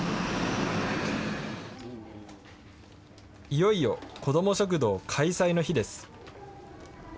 いよいよ、こども食堂開催の日です。